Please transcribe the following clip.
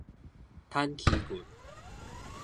坦敧棍